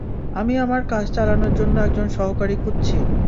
আমি আমার কাজ চালানোর জন্য একজন সহকারী খুঁজছি।